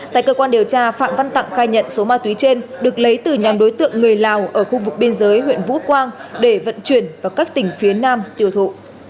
tại cơ quan điều tra phạm văn tặng khai nhận số ma túy trên được lấy từ nhà đối tượng người lào ở khu vực biên giới huyện vũ quang để vận chuyển vào các tỉnh phía nam tiêu thụ